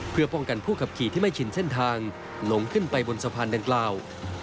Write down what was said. เพื่อป้องกันผู้ขับขี่ที่ไม่ชินเส้นทางหลงขึ้นไปบนสะพานดังกล่าว